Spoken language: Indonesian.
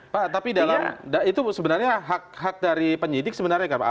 pak tapi dalam itu sebenarnya hak hak dari penyidik sebenarnya nggak apa apa